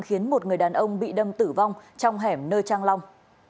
khiến một người đàn ông bị đâm tử vong trong hẻm nơi trang long